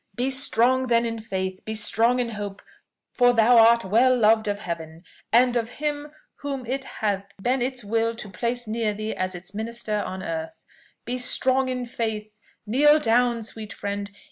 "Be strong then in faith, be strong in hope; for thou art well loved of Heaven, and of him whom it hath been its will to place near thee as its minister on earth! "Be strong in faith! Kneel down, sweet friend!